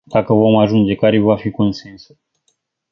Dacă vom ajunge, care va fi consensul?